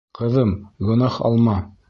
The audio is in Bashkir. Ҡыҙым, гонаһ алма!